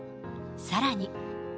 さらに。